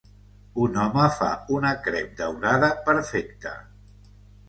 Un home fa una crep daurada perfecta.